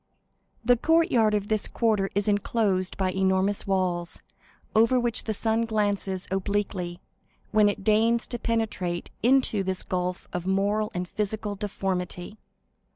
The courtyard of this quarter is enclosed by enormous walls, over which the sun glances obliquely, when it deigns to penetrate into this gulf of moral and physical deformity.